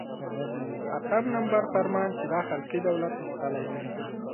اتم نمبر فرمان چې دا خلقي دولت ایستلی دی.